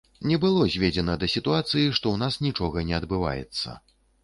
Не было зведзена да сітуацыі, што ў нас нічога не адбываецца.